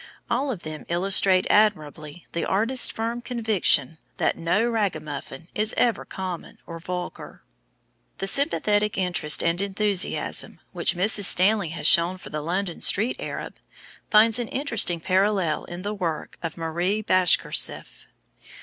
All of them illustrate admirably the artist's firm conviction that "no ragamuffin is ever common or vulgar." The sympathetic interest and enthusiasm which Mrs. Stanley has shown for the London street Arab finds an interesting parallel in the work of Marie Bashkirtseff.